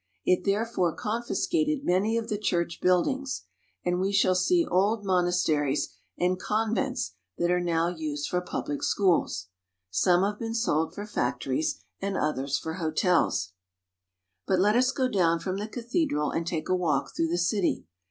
It therefore confiscated many of the church buildings ; and we shall see old mon asteries and convents that are now used for public schools. Some have been sold for factories, and others for hotels. But let us go down from the cathedral and take a walk through the city.